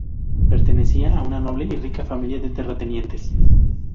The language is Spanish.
Pertenecía a una noble y rica familia de terratenientes.